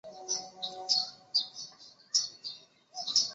英国红底则在右下角。